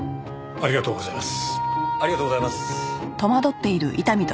ありがとうございます。